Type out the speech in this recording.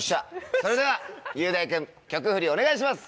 それでは雄大君曲フリお願いします！